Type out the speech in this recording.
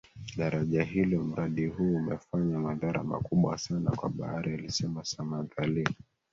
daraja hilo Mradi huu umefanya madhara makubwa sana kwa bahari alisema Samantha Lee